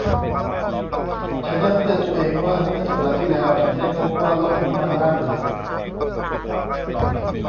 ฉันย้ำเตือนตัวเองว่าเมื่อสัปดาห์ที่แล้วฉันได้พบว่าโลกนี้มันน่าเบื่อ